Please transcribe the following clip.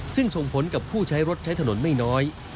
ซึ่งส่งผลกับผู้ใช้รถใช้ถนนไม่น้อย